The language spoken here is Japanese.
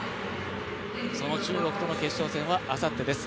その中国との決勝戦はあさってです。